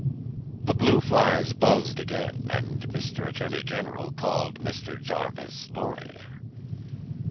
The blue flies buzzed again, and Mr. Attorney General called Mr. Jarvis Lorry.